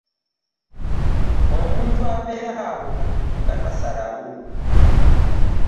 Omuntu abeera awo nga tasalawo.